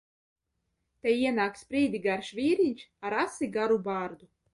Te ienāk sprīdi garš vīriņš ar asi garu bārdu.